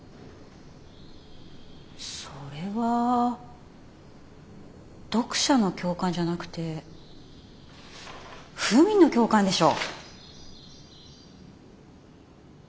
それは読者の共感じゃなくてフーミンの共感でしょ？